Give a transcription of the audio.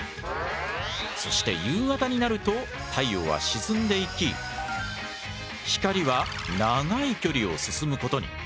そして夕方になると太陽は沈んでいき光は長い距離を進むことに。